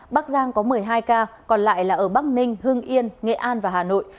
bắc giang có một mươi hai ca còn lại là ở bắc ninh hương yên nghệ an và hà nội